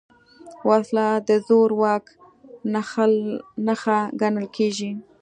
وسله د زور واک نښه ګڼل کېږي